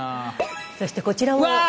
そしてこちらも。